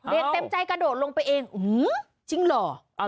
เด็กเต็มใจกระโดดลงไปเองหื้อจริงเหรอ